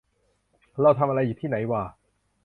เราทำอะไรอยู่ที่ไหนหว่า